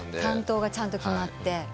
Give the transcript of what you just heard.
担当がちゃんと決まって。